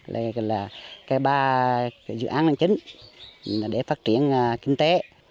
đây là ba dự án năng chính để phát triển kinh tế